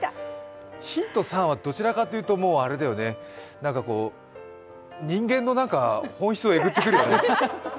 ヒント３は、どちらかというと人間の本質をえぐってくるよね。